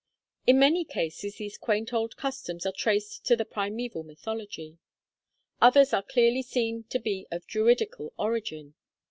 In many cases these quaint old customs are traced to the primeval mythology. Others are clearly seen to be of Druidical origin.